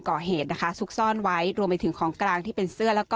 ก่อเหตุนะคะซุกซ่อนไว้รวมไปถึงของกลางที่เป็นเสื้อแล้วก็